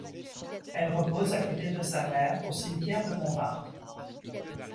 Elle repose, à côté de sa mère, au cimetière de Montmartre.